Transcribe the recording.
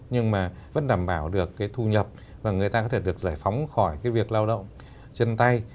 nhưng mà vẫn đảm bảo được cái thu nhập và người ta có thể được giải phóng khỏi cái việc lao động chân tay